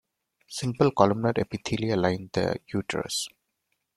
Simple columnar epithelia line the uterus.